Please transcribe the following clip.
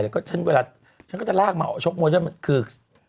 ก็ฉันเวลาฉันก็จะลากมาชกมวยฉันคือ